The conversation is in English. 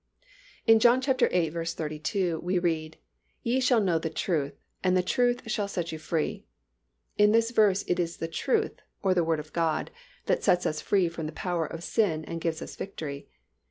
In John viii. 32 we read, "Ye shall know the truth and the truth shall set you free." In this verse it is the truth, or the Word of God, that sets us free from the power of sin and gives us victory.